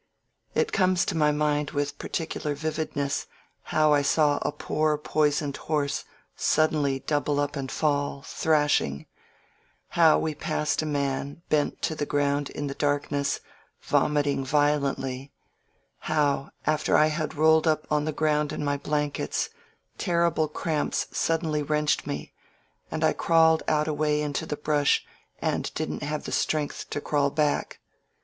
•.• It comes to my mind with particular vividness how I saw a poor poisoned horse suddenly double up and fall, thrashing; how we passed a man bent to the ground in the darkness, vomiting violently; how, after I had rolled up on the ground in my blankets, terrible cramps suddenly wrenched me, and I crawled out a way into the brush and didn't have the strength to crawl back.